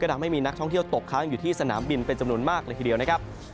ทำให้มีนักท่องเที่ยวตกค้างอยู่ที่สนามบินเป็นจำนวนมากเลยทีเดียวนะครับ